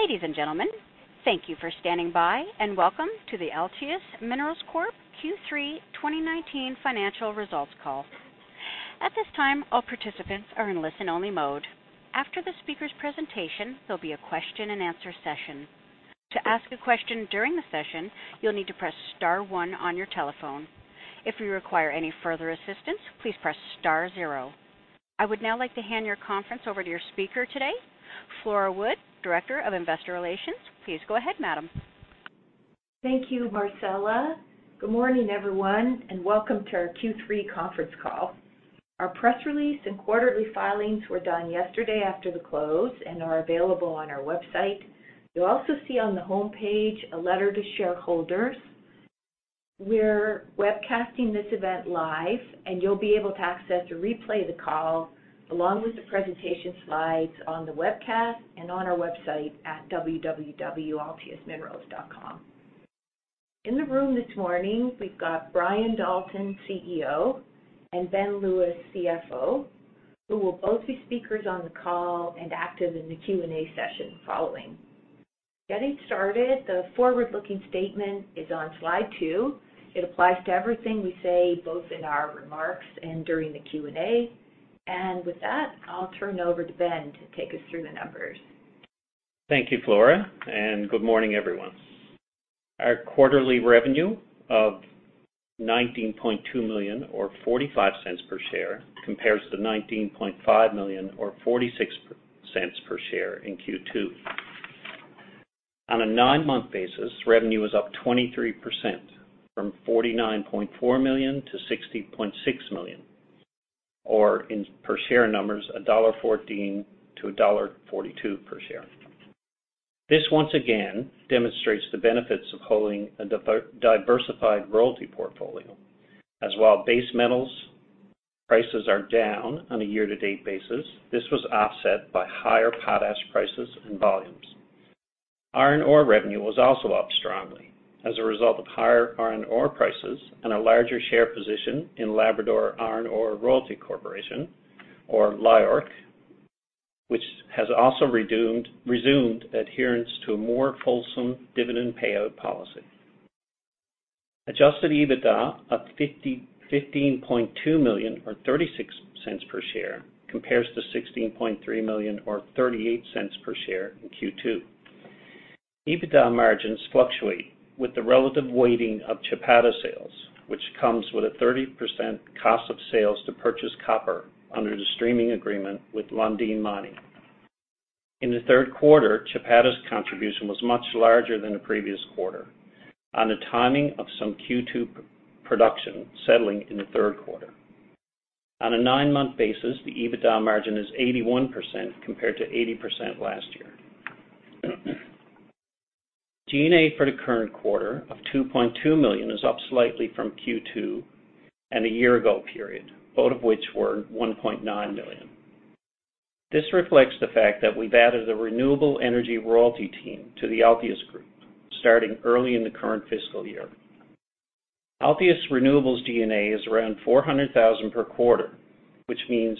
Ladies and gentlemen, thank you for standing by, welcome to the Altius Minerals Corp. Q3 2019 financial results call. At this time, all participants are in listen-only mode. After the speaker's presentation, there'll be a question and answer session. To ask a question during the session, you'll need to press star one on your telephone. If you require any further assistance, please press star zero. I would now like to hand your conference over to your speaker today, Flora Wood, Director of Investor Relations. Please go ahead, madam. Thank you, Marcella. Good morning, everyone, and welcome to our Q3 conference call. Our press release and quarterly filings were done yesterday after the close and are available on our website. You'll also see on the homepage a letter to shareholders. We're webcasting this event live, and you'll be able to access a replay of the call, along with the presentation slides on the webcast and on our website at www.altiusminerals.com. In the room this morning, we've got Brian Dalton, CEO, and Ben Lewis, CFO, who will both be speakers on the call and active in the Q&A session following. Getting started, the forward-looking statement is on slide two. It applies to everything we say, both in our remarks and during the Q&A. With that, I'll turn it over to Ben to take us through the numbers. Thank you, Flora. Good morning, everyone. Our quarterly revenue of 19.2 million or 0.45 per share compares to 19.5 million or 0.46 per share in Q2. On a nine-month basis, revenue is up 23%, from 49.4 million to 60.6 million, or in per share numbers, dollar 1.14 to dollar 1.42 per share. This once again demonstrates the benefits of holding a diversified royalty portfolio, as while base metals prices are down on a year-to-date basis, this was offset by higher potash prices and volumes. Iron ore revenue was also up strongly as a result of higher iron ore prices and a larger share position in Labrador Iron Ore Royalty Corporation or LIORC, which has also resumed adherence to a more fulsome dividend payout policy. Adjusted EBITDA of 15.2 million or 0.36 per share compares to 16.3 million or 0.38 per share in Q2. EBITDA margins fluctuate with the relative weighting of Chapada sales, which comes with a 30% cost of sales to purchase copper under the streaming agreement with Lundin Mining. In the third quarter, Chapada's contribution was much larger than the previous quarter on the timing of some Q2 production settling in the third quarter. On a nine-month basis, the EBITDA margin is 81% compared to 80% last year. G&A for the current quarter of 2.2 million is up slightly from Q2 and the year ago period, both of which were 1.9 million. This reflects the fact that we've added a renewable energy royalty team to the Altius group starting early in the current fiscal year. Altius Renewables G&A is around 400,000 per quarter, which means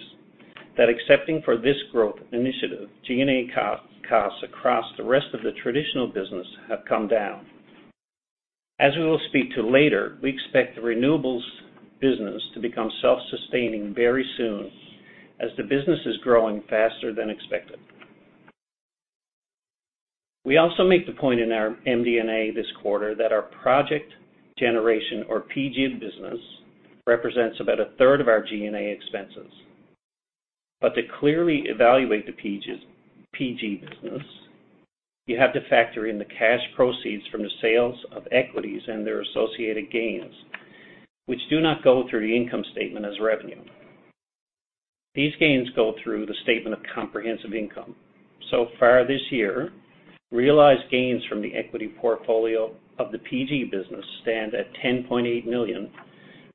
that excepting for this growth initiative, G&A costs across the rest of the traditional business have come down. As we will speak to later, we expect the renewables business to become self-sustaining very soon as the business is growing faster than expected. We also make the point in our MD&A this quarter that our project generation or PG business represents about a third of our G&A expenses. To clearly evaluate the PG business, you have to factor in the cash proceeds from the sales of equities and their associated gains, which do not go through the income statement as revenue. These gains go through the statement of comprehensive income. Far this year, realized gains from the equity portfolio of the PG business stand at 10.8 million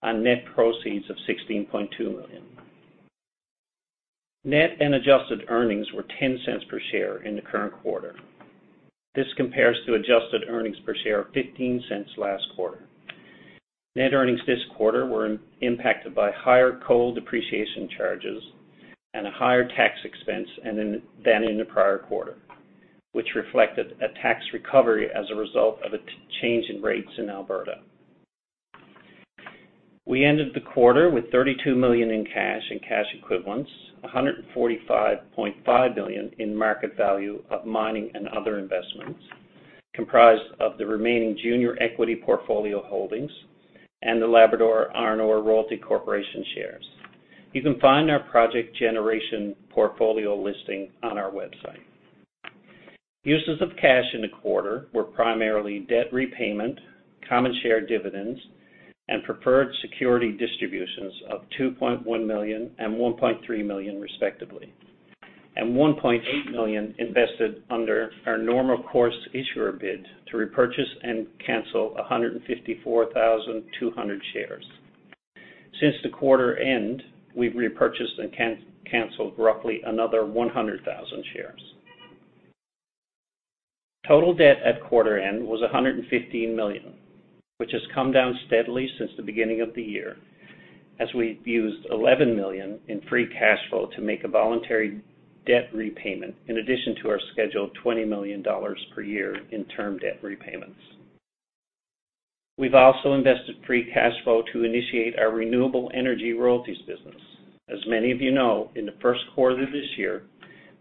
on net proceeds of 16.2 million. Net and adjusted earnings were 0.10 per share in the current quarter. This compares to adjusted earnings per share of 0.15 last quarter. Net earnings this quarter were impacted by higher coal depreciation charges and a higher tax expense than in the prior quarter, which reflected a tax recovery as a result of a change in rates in Alberta. We ended the quarter with 32 million in cash and cash equivalents, 145.5 million in market value of mining and other investments comprised of the remaining junior equity portfolio holdings and the Labrador Iron Ore Royalty Corporation shares. You can find our project generation portfolio listing on our website. Uses of cash in the quarter were primarily debt repayment, common share dividends, and preferred security distributions of 2.1 million and 1.3 million, respectively, and 1.8 million invested under our normal course issuer bid to repurchase and cancel 154,200 shares. Since the quarter end, we've repurchased and canceled roughly another 100,000 shares. Total debt at quarter end was 115 million, which has come down steadily since the beginning of the year, as we used 11 million in free cash flow to make a voluntary debt repayment in addition to our scheduled 20 million dollars per year in term debt repayments. We've also invested free cash flow to initiate our renewable energy royalties business. As many of you know, in the first quarter of this year,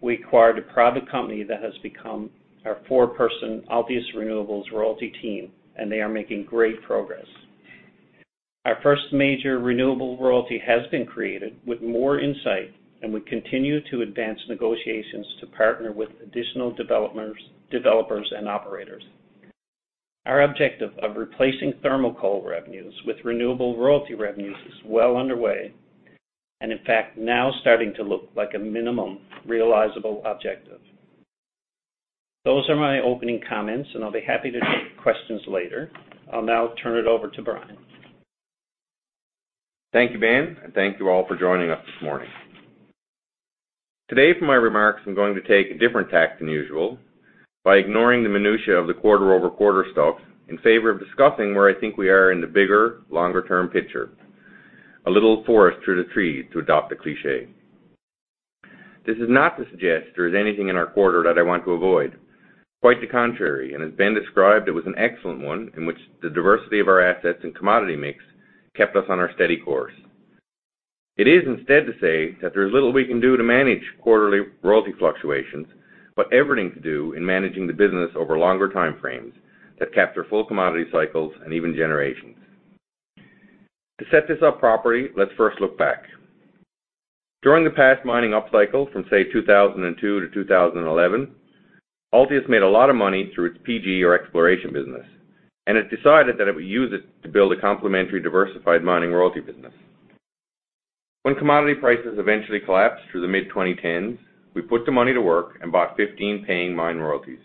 we acquired a private company that has become our four-person Altius Renewables royalty team, and they are making great progress. Our first major renewable royalty has been created with more in sight, and we continue to advance negotiations to partner with additional developers and operators. Our objective of replacing thermal coal revenues with renewable royalty revenues is well underway and in fact, now starting to look like a minimum realizable objective. Those are my opening comments, and I'll be happy to take questions later. I'll now turn it over to Brian. Thank you, Ben, and thank you all for joining us this morning. Today for my remarks, I'm going to take a different tack than usual by ignoring the minutia of the quarter-over-quarter stuff in favor of discussing where I think we are in the bigger, longer-term picture. A little forest through the trees to adopt a cliché. This is not to suggest there is anything in our quarter that I want to avoid. Quite the contrary, as Ben described, it was an excellent one in which the diversity of our assets and commodity mix kept us on our steady course. It is instead to say that there's little we can do to manage quarterly royalty fluctuations, everything to do in managing the business over longer time frames that capture full commodity cycles and even generations. To set this up properly, let's first look back. During the past mining upcycle from, say, 2002 to 2011, Altius made a lot of money through its PG or exploration business, and it decided that it would use it to build a complementary, diversified mining royalty business. When commodity prices eventually collapsed through the mid-2010s, we put the money to work and bought 15 paying mine royalties.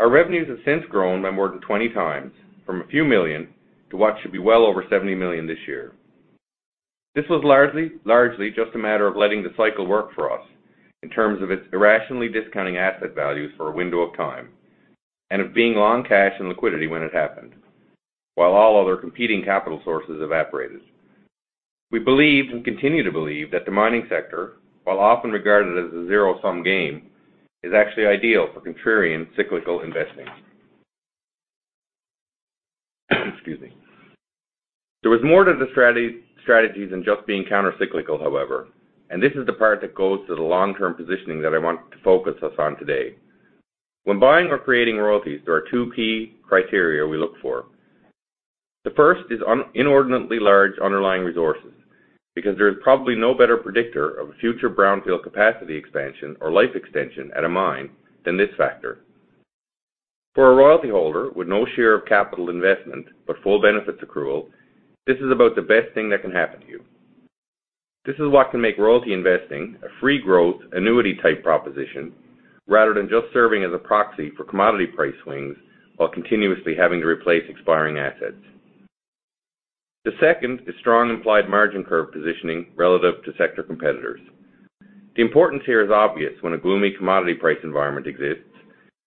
Our revenues have since grown by more than 20 times from a few million to what should be well over 70 million this year. This was largely just a matter of letting the cycle work for us in terms of its irrationally discounting asset values for a window of time and of being long cash and liquidity when it happened, while all other competing capital sources evaporated. We believed and continue to believe that the mining sector, while often regarded as a zero-sum game, is actually ideal for contrarian cyclical investing. Excuse me. There was more to the strategies than just being counter-cyclical, however. This is the part that goes to the long-term positioning that I want to focus us on today. When buying or creating royalties, there are two key criteria we look for. The first is inordinately large underlying resources, because there is probably no better predictor of future brownfield capacity expansion or life extension at a mine than this factor. For a royalty holder with no share of capital investment but full benefits accrual, this is about the best thing that can happen to you. This is what can make royalty investing a free growth annuity type proposition rather than just serving as a proxy for commodity price swings while continuously having to replace expiring assets. The second is strong implied margin curve positioning relative to sector competitors. The importance here is obvious when a gloomy commodity price environment exists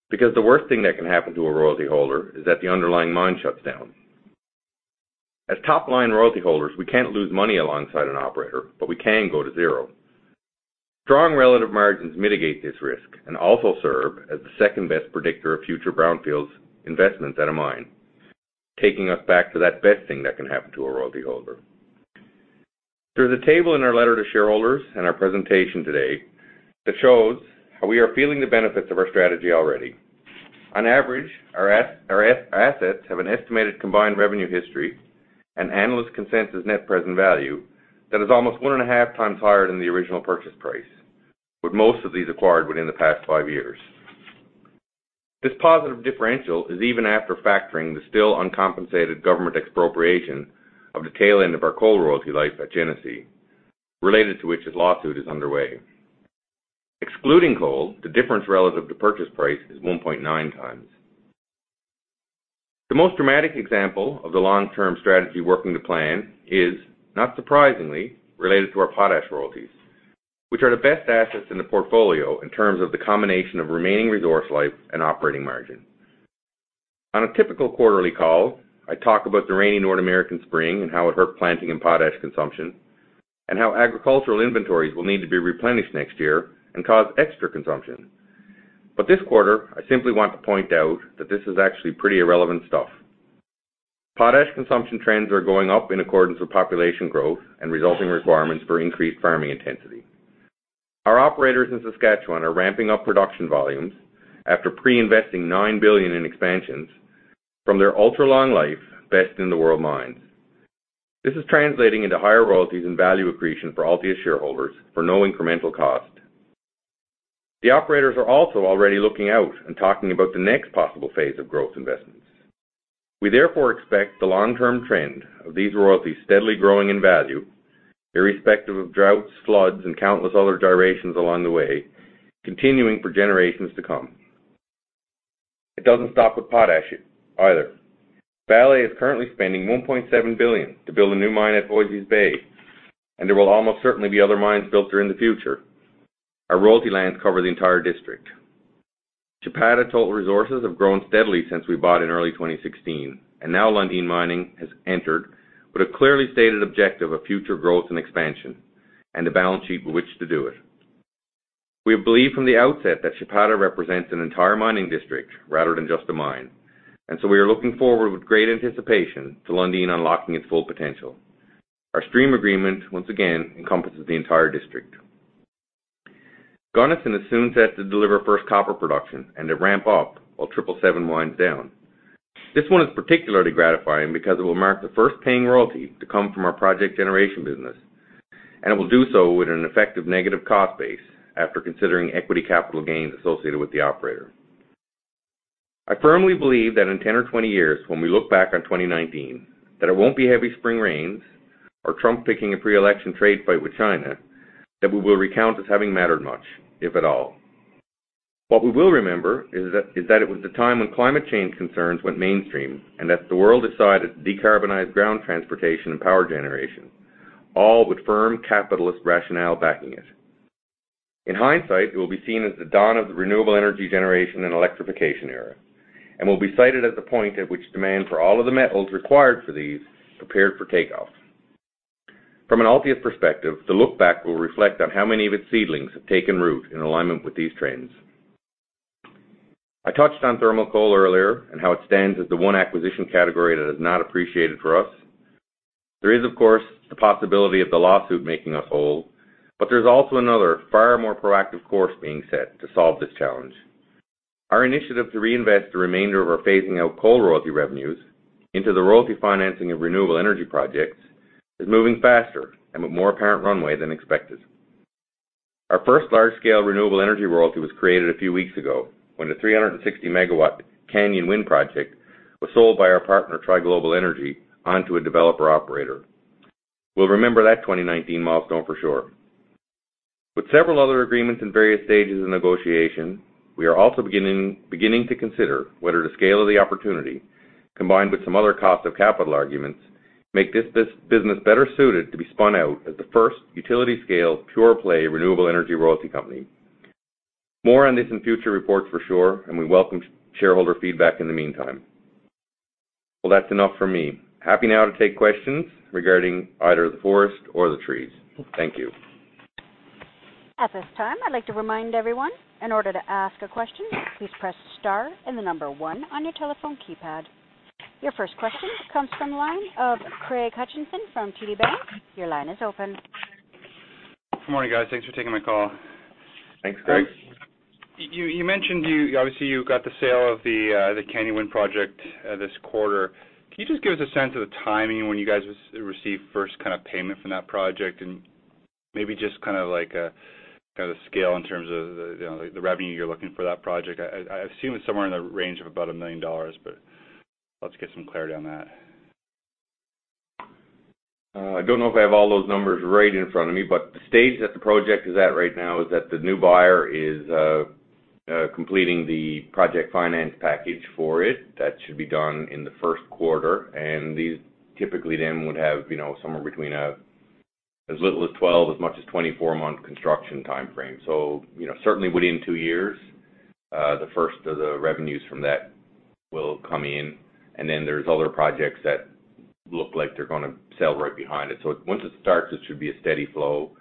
because the worst thing that can happen to a royalty holder is that the underlying mine shuts down. As top-line royalty holders, we can't lose money alongside an operator, but we can go to zero. Strong relative margins mitigate this risk and also serve as the second best predictor of future brownfields investments at a mine, taking us back to that best thing that can happen to a royalty holder. There's a table in our letter to shareholders and our presentation today that shows how we are feeling the benefits of our strategy already. On average, our assets have an estimated combined revenue history and analyst consensus net present value that is almost one and a half times higher than the original purchase price. With most of these acquired within the past five years. This positive differential is even after factoring the still uncompensated government expropriation of the tail end of our coal royalty life at Genesee, related to which a lawsuit is underway. Excluding coal, the difference relative to purchase price is 1.9 times. The most dramatic example of the long-term strategy working to plan is, not surprisingly, related to our potash royalties, which are the best assets in the portfolio in terms of the combination of remaining resource life and operating margin. On a typical quarterly call, I talk about the rainy North American spring and how it hurt planting and potash consumption, and how agricultural inventories will need to be replenished next year and cause extra consumption. This quarter, I simply want to point out that this is actually pretty irrelevant stuff. Potash consumption trends are going up in accordance with population growth and resulting requirements for increased farming intensity. Our operators in Saskatchewan are ramping up production volumes after pre-investing 9 billion in expansions from their ultra-long life best-in-the-world mines. This is translating into higher royalties and value accretion for Altius shareholders for no incremental cost. The operators are also already looking out and talking about the next possible phase of growth investments. We therefore expect the long-term trend of these royalties steadily growing in value, irrespective of droughts, floods, and countless other gyrations along the way, continuing for generations to come. It doesn't stop with potash either. Vale is currently spending 1.7 billion to build a new mine at Voisey's Bay, and there will almost certainly be other mines built there in the future. Our royalty lands cover the entire district. Chapada total resources have grown steadily since we bought in early 2016, and now Lundin Mining has entered with a clearly stated objective of future growth and expansion and a balance sheet with which to do it. We have believed from the outset that Chapada represents an entire mining district rather than just a mine, and so we are looking forward with great anticipation to Lundin unlocking its full potential. Our stream agreement, once again, encompasses the entire district. Gunnison is soon set to deliver first copper production and to ramp up while Triple Seven winds down. This one is particularly gratifying because it will mark the first paying royalty to come from our project generation business, and it will do so with an effective negative cost base after considering equity capital gains associated with the operator. I firmly believe that in 10 or 20 years, when we look back on 2019, that it won't be heavy spring rains or Trump picking a pre-election trade fight with China that we will recount as having mattered much, if at all. What we will remember is that it was the time when climate change concerns went mainstream, and that the world decided to decarbonize ground transportation and power generation, all with firm capitalist rationale backing it. In hindsight, it will be seen as the dawn of the renewable energy generation and electrification era, and will be cited as the point at which demand for all of the metals required for these prepared for takeoff. From an Altius perspective, the look back will reflect on how many of its seedlings have taken root in alignment with these trends. I touched on thermal coal earlier and how it stands as the one acquisition category that has not appreciated for us. There is, of course, the possibility of the lawsuit making us whole, but there's also another, far more proactive course being set to solve this challenge. Our initiative to reinvest the remainder of our phasing out coal royalty revenues into the royalty financing of renewable energy projects is moving faster and with more apparent runway than expected. Our first large-scale renewable energy royalty was created a few weeks ago when the 360 MW Canyon Wind project was sold by our partner, Tri Global Energy, onto a developer operator. We'll remember that 2019 milestone for sure. With several other agreements in various stages of negotiation, we are also beginning to consider whether the scale of the opportunity, combined with some other cost of capital arguments, make this business better suited to be spun out as the first utility-scale pure play renewable energy royalty company. More on this in future reports for sure, and we welcome shareholder feedback in the meantime. Well, that's enough from me. Happy now to take questions regarding either the forest or the trees. Thank you. At this time, I'd like to remind everyone, in order to ask a question, please press star and the number 1 on your telephone keypad. Your first question comes from the line of Craig Hutchison from TD Bank. Your line is open. Good morning, guys. Thanks for taking my call. Thanks, Craig. You mentioned, obviously, you got the sale of the Canyon Wind project this quarter. Can you just give us a sense of the timing when you guys receive first payment from that project, and maybe just the scale in terms of the revenue you're looking for that project? I assume it's somewhere in the range of about 1 million dollars, but let's get some clarity on that. I don't know if I have all those numbers right in front of me, the stage that the project is at right now is that the new buyer is completing the project finance package for it. That should be done in the first quarter, these typically then would have somewhere between as little as 12, as much as 24-month construction timeframe. Certainly within two years, the first of the revenues from that will come in, then there's other projects that look like they're going to sell right behind it. Once it starts, it should be a steady flow.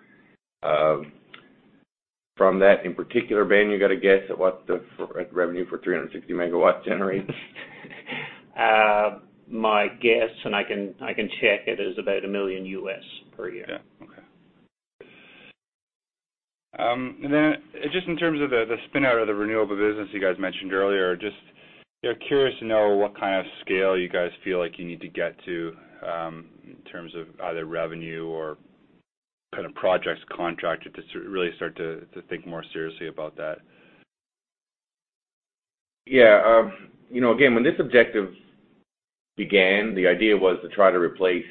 From that in particular, Ben, you got a guess at what the revenue for 360 MW generates? My guess, and I can check it, is about $1 million per year. Yeah. Okay. Then just in terms of the spin-out of the renewable business you guys mentioned earlier, just curious to know what kind of scale you guys feel like you need to get to in terms of either revenue or projects contracted to really start to think more seriously about that? Yeah. Again, when this objective began, the idea was to try to replace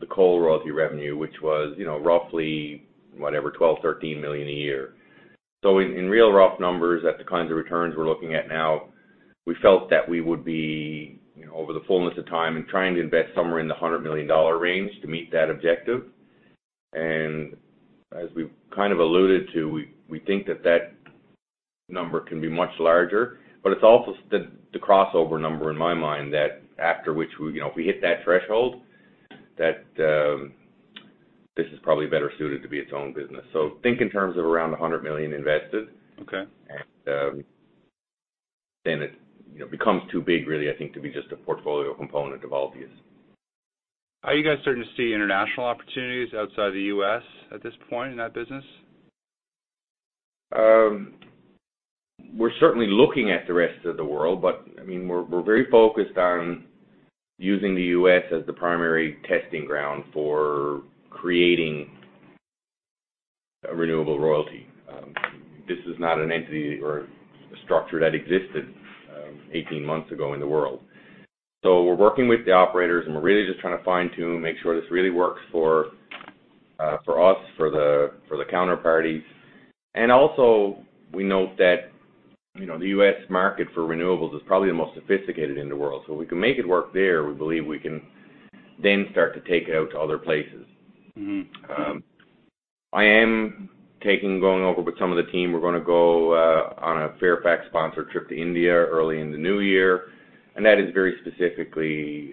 the coal royalty revenue, which was roughly, whatever, 12 million, 13 million a year. In real rough numbers at the kinds of returns we're looking at now, we felt that we would be, over the fullness of time, trying to invest somewhere in the 100 million dollar range to meet that objective. As we kind of alluded to, we think that that number can be much larger, but it's also the crossover number in my mind that after which if we hit that threshold, that this is probably better suited to be its own business. Think in terms of around 100 million invested. Okay. It becomes too big, really, I think, to be just a portfolio component of Altius. Are you guys starting to see international opportunities outside the U.S. at this point in that business? We're certainly looking at the rest of the world. We're very focused on using the U.S. as the primary testing ground for creating a renewable royalty. This is not an entity or a structure that existed 18 months ago in the world. We're working with the operators, and we're really just trying to fine-tune, make sure this really works for us, for the counterparties. Also, we note that the U.S. market for renewables is probably the most sophisticated in the world. If we can make it work there, we believe we can then start to take it out to other places. I am going over with some of the team, we're going to go on a Fairfax-sponsored trip to India early in the new year, and that is very specifically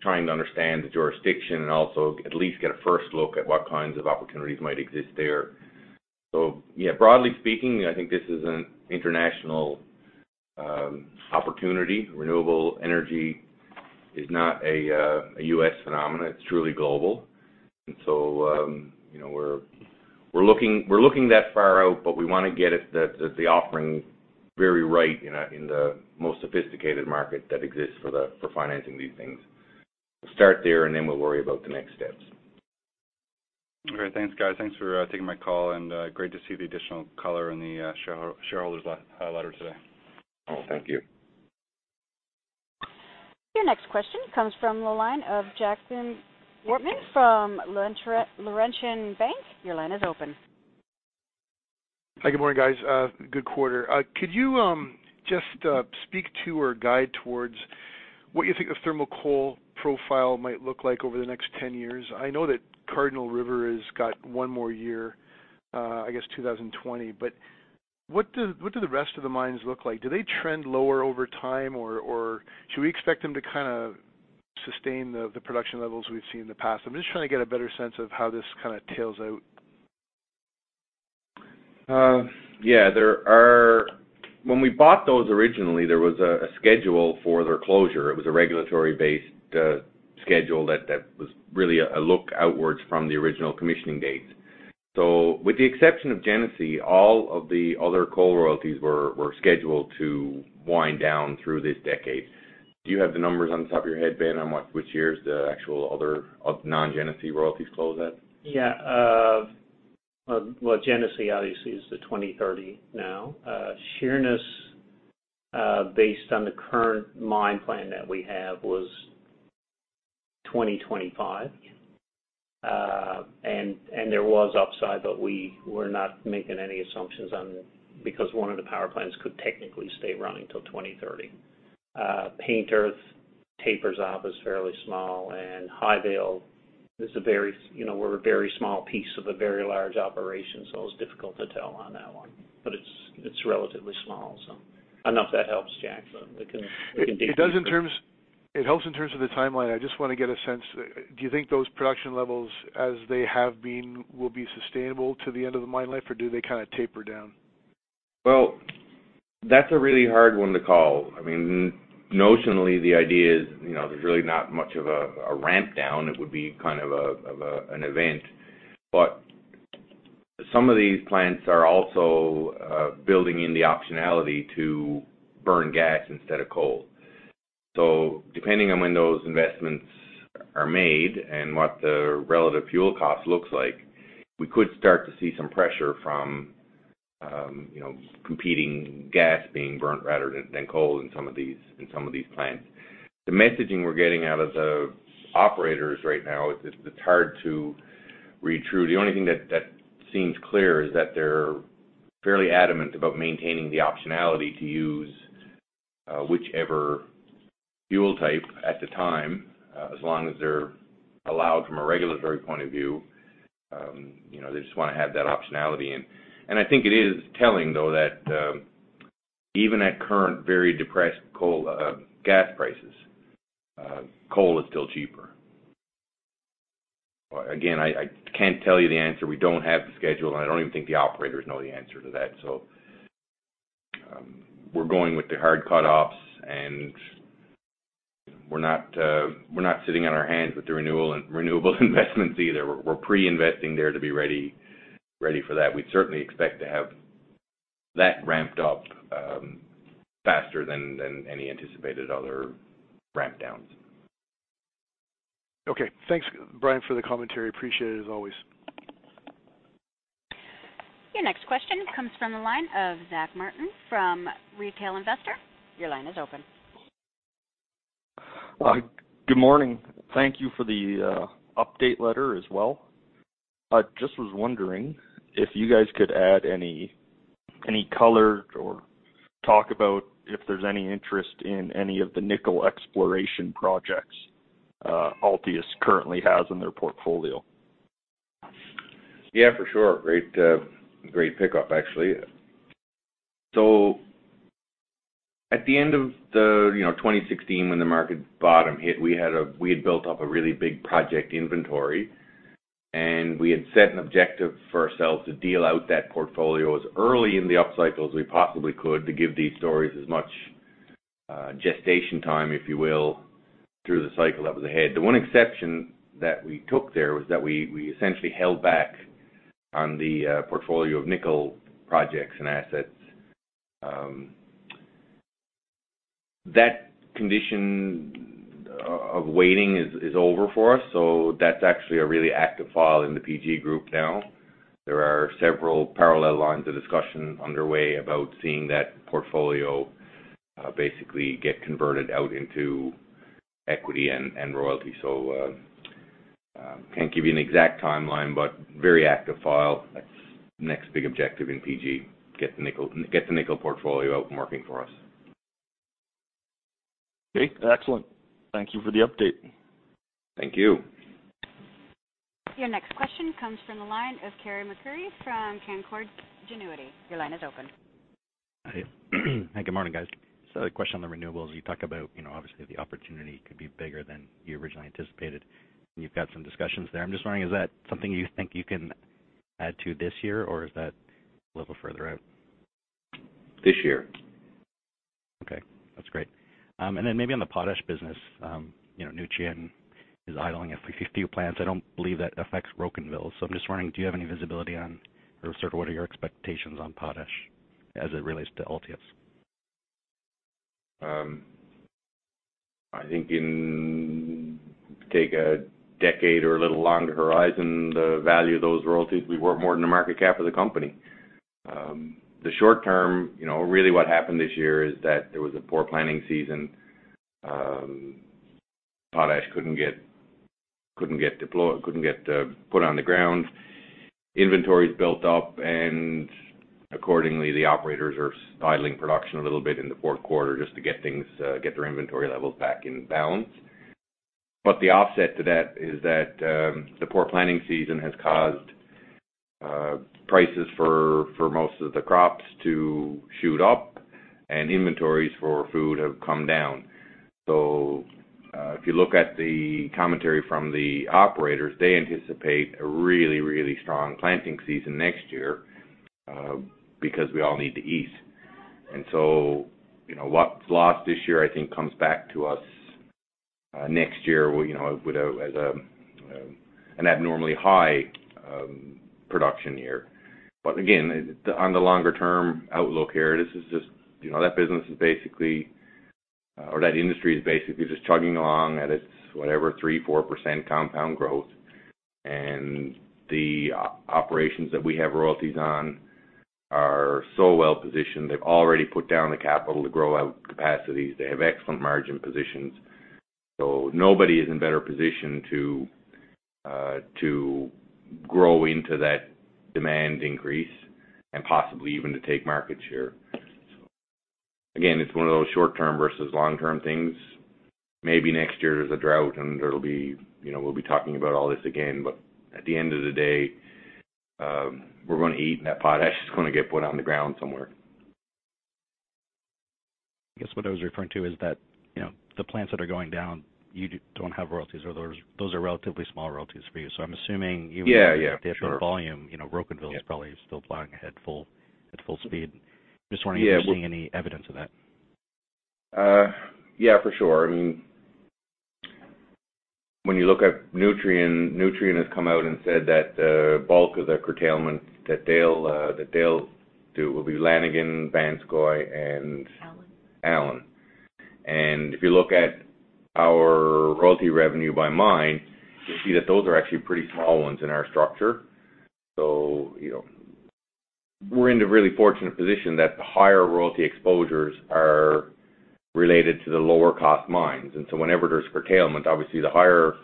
trying to understand the jurisdiction and also at least get a first look at what kinds of opportunities might exist there. Yeah, broadly speaking, I think this is an international opportunity. Renewable energy is not a U.S. phenomenon. It's truly global. We're looking that far out, but we want to get the offering very right in the most sophisticated market that exists for financing these things. We'll start there, and then we'll worry about the next steps. All right. Thanks, guys. Thanks for taking my call, and great to see the additional color in the shareholders' letter today. Oh, thank you. Your next question comes from the line of Jacques Wortman from Laurentian Bank. Your line is open. Hi, good morning, guys. Good quarter. Could you just speak to or guide towards what you think the thermal coal profile might look like over the next 10 years? I know that Cardinal River has got one more year, I guess 2020, what do the rest of the mines look like? Do they trend lower over time, or should we expect them to kind of sustain the production levels we've seen in the past? I'm just trying to get a better sense of how this kind of tails out. Yeah. When we bought those originally, there was a schedule for their closure. It was a regulatory-based schedule that was really a look outwards from the original commissioning dates. With the exception of Genesee, all of the other coal royalties were scheduled to wind down through this decade. Do you have the numbers on the top of your head, Ben, on which years the actual other non-Genesee royalties close at? Yeah. Well, Genesee obviously is the 2030 now. Sheerness, based on the current mine plan that we have, was 2025. There was upside, but we were not making any assumptions on it because one of the power plants could technically stay running till 2030. Paintearth tapers off as fairly small, and Highvale, we're a very small piece of a very large operation, so it's difficult to tell on that one. But it's relatively small. I don't know if that helps, Jacques, but we can dig deeper. It helps in terms of the timeline. I just want to get a sense, do you think those production levels as they have been will be sustainable to the end of the mine life, or do they kind of taper down? Well, that's a really hard one to call. Notionally, the idea is there's really not much of a ramp down. It would be kind of an event. Some of these plants are also building in the optionality to burn gas instead of coal. Depending on when those investments are made and what the relative fuel cost looks like, we could start to see some pressure from competing gas being burnt rather than coal in some of these plants. The messaging we're getting out of the operators right now, it's hard to read through. The only thing that seems clear is that they're fairly adamant about maintaining the optionality to use whichever fuel type at the time, as long as they're allowed from a regulatory point of view. They just want to have that optionality in. I think it is telling, though, that even at current very depressed gas prices, coal is still cheaper. Again, I can't tell you the answer. We don't have the schedule, and I don't even think the operators know the answer to that. We're going with the hard cutoffs, and we're not sitting on our hands with the renewable investments either. We're pre-investing there to be ready for that. We'd certainly expect to have that ramped up faster than any anticipated other ramp downs. Okay. Thanks, Brian, for the commentary. Appreciate it as always. Your next question comes from the line of Zach Martin from Retail Investor. Your line is open. Good morning. Thank you for the update letter as well. I just was wondering if you guys could add any color or talk about if there is any interest in any of the nickel exploration projects Altius currently has in their portfolio. Yeah, for sure. Great pick-up, actually. At the end of 2016, when the market bottom hit, we had built up a really big project inventory, and we had set an objective for ourselves to deal out that portfolio as early in the upcycle as we possibly could to give these stories as much gestation time, if you will, through the cycle that was ahead. The one exception that we took there was that we essentially held back on the portfolio of nickel projects and assets. That condition of waiting is over for us. That's actually a really active file in the PG group now. There are several parallel lines of discussion underway about seeing that portfolio basically get converted out into equity and royalty. Can't give you an exact timeline, but very active file. That's next big objective in PG, get the nickel portfolio out and working for us. Okay, excellent. Thank you for the update. Thank you. Your next question comes from the line of Carey MacRury from Canaccord Genuity. Your line is open. Hi. Good morning, guys. Just another question on the renewables. You talk about, obviously, the opportunity could be bigger than you originally anticipated, and you've got some discussions there. I'm just wondering, is that something you think you can add to this year, or is that a little further out? This year. Okay, that's great. Then maybe on the potash business, Nutrien is idling a few plants. I don't believe that affects Rocanville. I'm just wondering, do you have any visibility on, or sort of what are your expectations on potash as it relates to Altius? I think in take a decade or a little longer horizon, the value of those royalties will be worth more than the market cap of the company. The short term, really what happened this year is that there was a poor planting season. Potash couldn't get put on the ground. Inventories built up, accordingly, the operators are idling production a little bit in the fourth quarter just to get their inventory levels back in balance. The offset to that is that the poor planting season has caused prices for most of the crops to shoot up and inventories for food have come down. If you look at the commentary from the operators, they anticipate a really, really strong planting season next year, because we all need to eat. What's lost this year, I think comes back to us next year as an abnormally high production year. Again, on the longer term outlook here, that business is basically, or that industry is basically just chugging along at its, whatever, 3, 4% compound growth. The operations that we have royalties on are so well-positioned. They've already put down the capital to grow out capacities. They have excellent margin positions. Nobody is in better position to grow into that demand increase and possibly even to take market share. Again, it's one of those short-term versus long-term things. Maybe next year there's a drought and we'll be talking about all this again, but at the end of the day, we're going to eat and that potash is going to get put on the ground somewhere. I guess what I was referring to is that the plants that are going down, you don't have royalties or those are relatively small royalties for you. Yeah. Sure. with the additional volume, Rocanville is probably still plowing ahead at full speed. I'm just wondering if you're seeing any evidence of that. Yeah, for sure. When you look at Nutrien has come out and said that the bulk of the curtailment that they'll do will be Lanigan, Vanscoy. Allan. Allan. If you look at our royalty revenue by mine, you'll see that those are actually pretty small ones in our structure. We're in the really fortunate position that the higher royalty exposures are related to the lower cost mines. Whenever there's curtailment, obviously the higher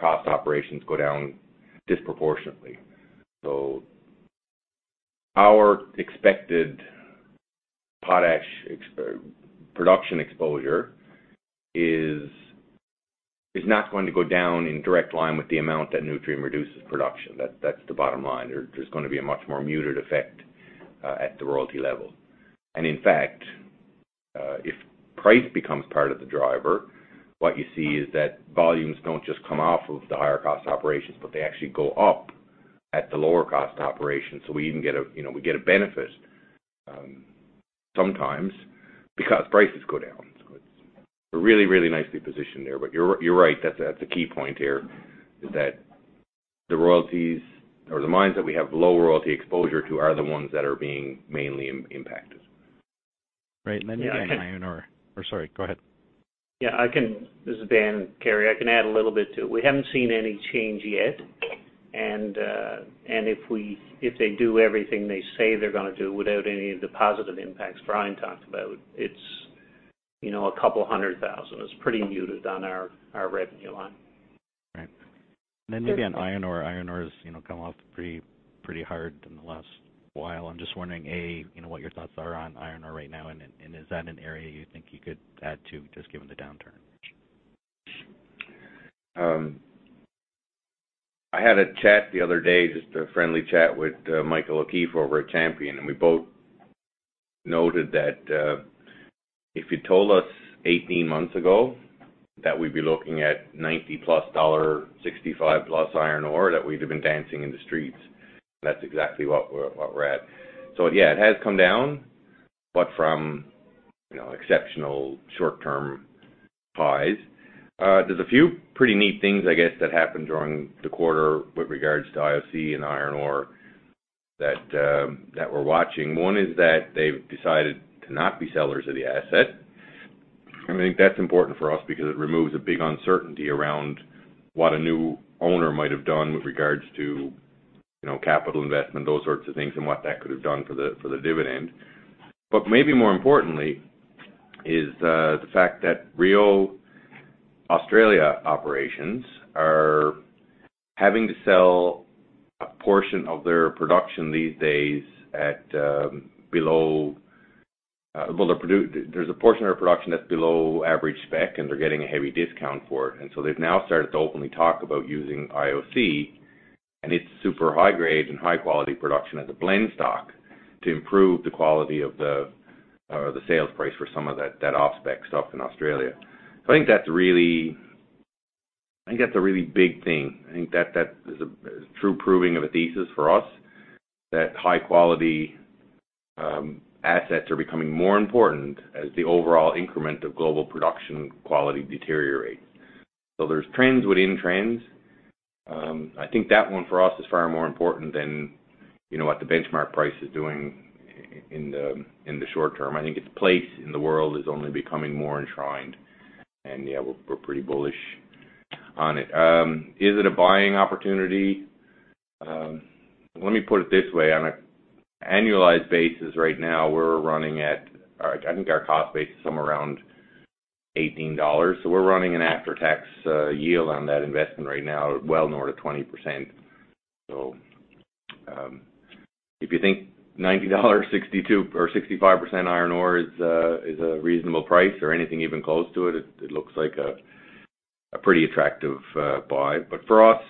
cost operations go down disproportionately. Our expected potash production exposure is not going to go down in direct line with the amount that Nutrien reduces production. That's the bottom line. There's going to be a much more muted effect at the royalty level. In fact, if price becomes part of the driver, what you see is that volumes don't just come off of the higher cost operations, but they actually go up at the lower cost operations. We even get a benefit, sometimes because prices go down. It's, we're really nicely positioned there. You're right, that's a key point here, is that the royalties or the mines that we have low royalty exposure to are the ones that are being mainly impacted. Right. Then maybe on iron ore Or sorry, go ahead. Yeah, I can. This is Ben Lewis. Carey, I can add a little bit, too. We haven't seen any change yet. If they do everything they say they're gonna do without any of the positive impacts Brian talked about, it's CAD couple hundred thousand. It's pretty muted on our revenue line. Right. Then maybe on iron ore. Iron ore has come off pretty hard in the last while. I am just wondering, A, what your thoughts are on iron ore right now, and is that an area you think you could add to just given the downturn? I had a chat the other day, just a friendly chat with Michael O'Keeffe over at Champion Iron. We both noted that, if you told us 18 months ago that we'd be looking at $90-plus, $65-plus iron ore, that we'd have been dancing in the streets. That's exactly what we're at. Yeah, it has come down, from exceptional short-term highs. There's a few pretty neat things, I guess, that happened during the quarter with regards to IOC and iron ore that we're watching. One is that they've decided to not be sellers of the asset. I think that's important for us because it removes a big uncertainty around what a new owner might have done with regards to capital investment, those sorts of things, and what that could have done for the dividend. Maybe more importantly is the fact that Rio Tinto's Australia operations are having to sell a portion of their production these days. There's a portion of their production that's below average spec, and they're getting a heavy discount for it. They've now started to openly talk about using IOC, and its super high grade and high quality production as a blend stock to improve the quality of the sales price for some of that off-spec stuff in Australia. I think that's a really big thing. I think that is a true proving of a thesis for us, that high-quality assets are becoming more important as the overall increment of global production quality deteriorates. There's trends within trends. I think that one for us is far more important than what the benchmark price is doing in the short term. I think its place in the world is only becoming more enshrined. Yeah, we're pretty bullish on it. Is it a buying opportunity? Let me put it this way. On an annualized basis right now, I think our cost base is somewhere around 18 dollars. We're running an after-tax yield on that investment right now well north of 20%. If you think 90 dollar, 62% or 65% iron ore is a reasonable price or anything even close to it looks like a pretty attractive buy. For us,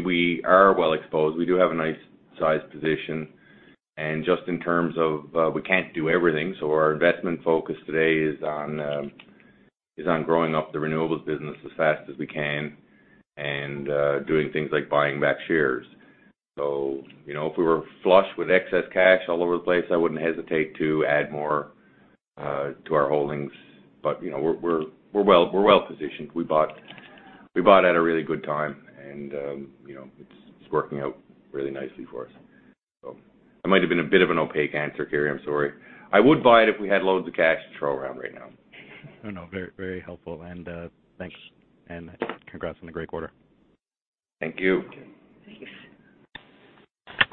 we are well exposed. We do have a nice sized position. Just in terms of we can't do everything, so our investment focus today is on growing up the renewables business as fast as we can and doing things like buying back shares. If we were flush with excess cash all over the place, I wouldn't hesitate to add more to our holdings. We're well-positioned. We bought at a really good time, and it's working out really nicely for us. That might have been a bit of an opaque answer, Carey. I'm sorry. I would buy it if we had loads of cash to throw around right now. Oh, no, very helpful. Thanks, and congrats on the great quarter. Thank you. Okay. Thanks.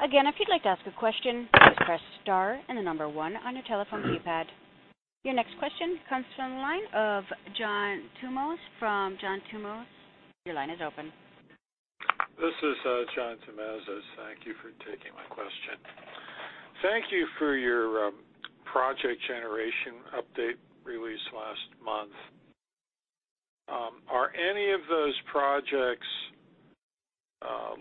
Again, if you'd like to ask a question, please press star and the number 1 on your telephone keypad. Your next question comes from the line of John Tumazos from John Tumazos. Your line is open. This is John Tumazos. Thank you for taking my question. Thank you for your project generation update released last month. Are any of those projects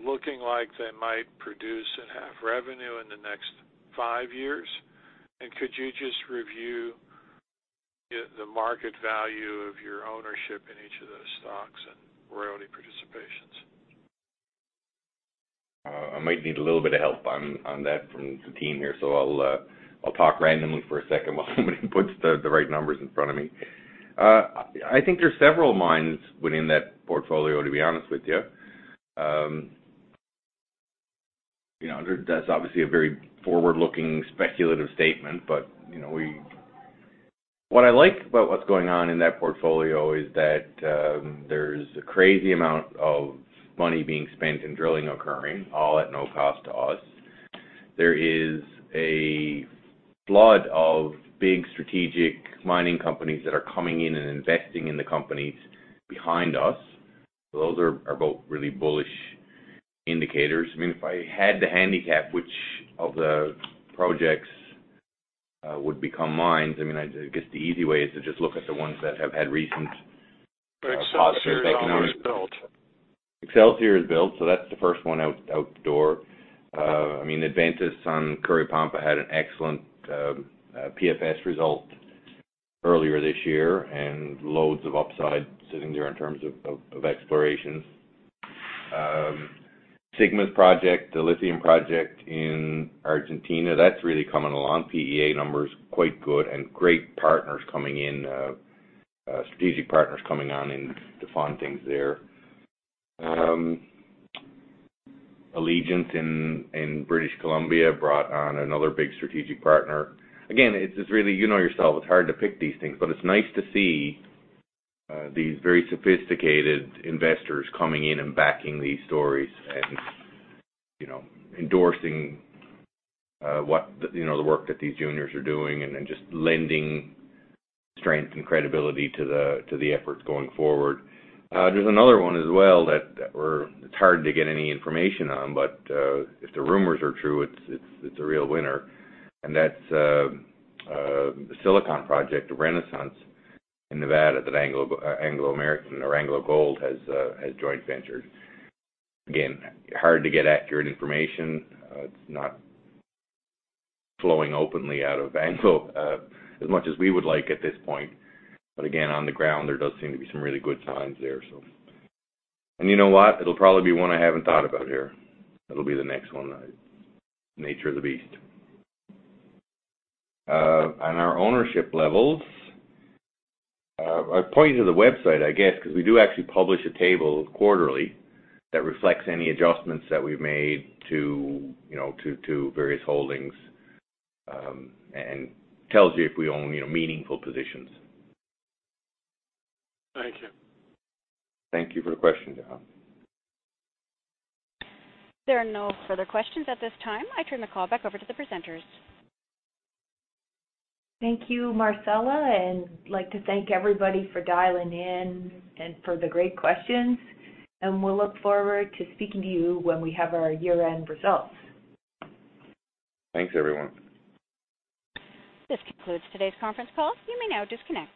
looking like they might produce and have revenue in the next five years? Could you just review the market value of your ownership in each of those stocks and royalty participations? I might need a little bit of help on that from the team here. I'll talk randomly for a second while somebody puts the right numbers in front of me. I think there's several mines within that portfolio, to be honest with you. That's obviously a very forward-looking, speculative statement, but what I like about what's going on in that portfolio is that there's a crazy amount of money being spent and drilling occurring, all at no cost to us. There is a flood of big strategic mining companies that are coming in and investing in the companies behind us. Those are both really bullish indicators. If I had to handicap which of the projects would become mines, I guess the easy way is to just look at the ones that have had recent positive economics. Excelsior is already built. Excelsior is built, that's the first one out the door. Adventus on Curipamba had an excellent PFS result earlier this year and loads of upside sitting there in terms of exploration. Sigma's project, the lithium project in Argentina, that's really coming along. PEA number is quite good, great strategic partners coming on to fund things there. Allegiant in British Columbia brought on another big strategic partner. Again, you know yourself, it's hard to pick these things, it's nice to see these very sophisticated investors coming in and backing these stories and endorsing the work that these juniors are doing just lending strength and credibility to the efforts going forward. There's another one as well that it's hard to get any information on, if the rumors are true, it's a real winner. That's the Silicon project of Renaissance in Nevada that AngloGold has joint ventured. Again, hard to get accurate information. It's not flowing openly out of Anglo as much as we would like at this point. Again, on the ground, there does seem to be some really good signs there. You know what? It'll probably be one I haven't thought about here. It'll be the next one. Nature of the beast. On our ownership levels, I'd point you to the website, I guess, because we do actually publish a table quarterly that reflects any adjustments that we've made to various holdings and tells you if we own meaningful positions. Thank you. Thank you for the question, John. There are no further questions at this time. I turn the call back over to the presenters. Thank you, Marcella. I'd like to thank everybody for dialing in and for the great questions, and we'll look forward to speaking to you when we have our year-end results. Thanks, everyone. This concludes today's conference call. You may now disconnect.